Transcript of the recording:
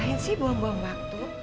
ain sih buang buang waktu